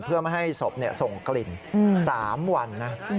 เพื่อไม่ให้ศพส่งกลิ่น๓วันนะ